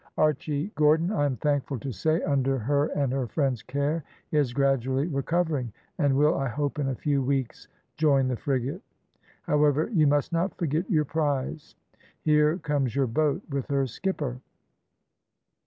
Archy Gordon, I am thankful to say, under her and her friends' care, is gradually recovering, and will, I hope, in a few weeks, join the frigate. However, you must not forget your prize. Here comes your boat with her skipper."